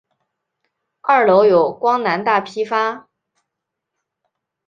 二楼有光南大批发。